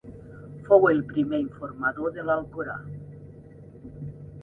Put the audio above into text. Fou el primer informador de l'Alcorà.